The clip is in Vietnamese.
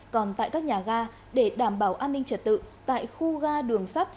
còn tại các nhà ga để đảm bảo an ninh trật tự tại khu ga đường sắt